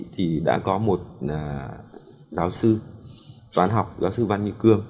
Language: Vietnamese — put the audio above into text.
thì đã có một giáo sư toán học giáo sư văn như cương